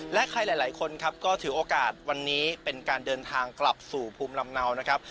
และใครหลายคนครับก็ถือโอกาสวันนี้เป็นการเดินทางกลับสู่ภูมิลำเนานะครับ